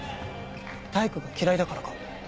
体育が嫌いだからか？